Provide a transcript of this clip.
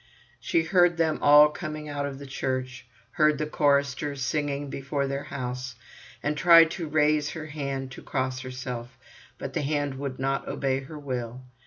She heard them all coming out of church, heard the choristers singing before their house, and tried to raise her hand to cross herself, but the hand would not obey her will.